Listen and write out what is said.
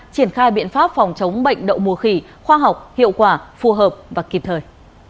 triển khai biện pháp phòng chống bệnh đậu mùa khỉ khoa học hiệu quả phù hợp và kịp thời